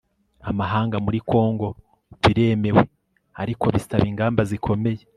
amahanga muri congo biremewe, ariko bisaba ingamba zikomeye